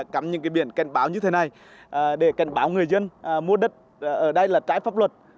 cảnh báo như thế này để cảnh báo người dân mua đất ở đây là trái pháp luật